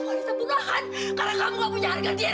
companies keren aja kalo ada modal yang begitu simpel